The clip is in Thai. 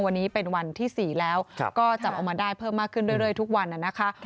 วันนี้เป็นวันที่๔แล้วก็จับออกมาได้เพิ่มมากขึ้นเรื่อยทุกวันนะคะ